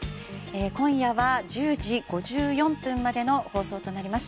今夜は１０時５４分までの放送となります。